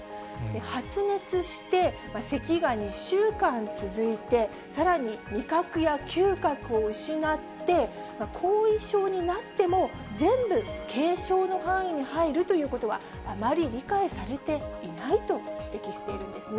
発熱して、せきが２週間続いて、さらに味覚や嗅覚を失って、後遺症になっても、全部軽症の範囲に入るということは、あまり理解されていないと指摘しているんですね。